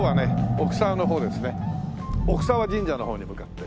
奥澤神社の方に向かって。